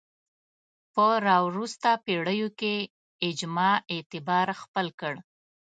په راوروسته پېړیو کې اجماع اعتبار خپل کړ